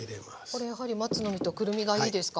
これやはり松の実とくるみがいいですか？